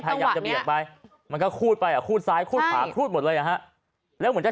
นะมันก็คู่ไปคู่ซ้ายคู่ขวาคู่หมดเลยนะฮะแล้วมันจะ